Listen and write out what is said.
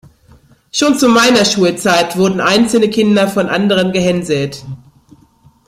Schon zu meiner Schulzeit wurden einzelne Kinder von anderen gehänselt.